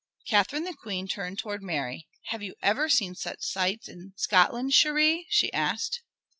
Catherine the Queen turned towards Mary. "Have you ever seen such sights in Scotland, chèrie?" she asked.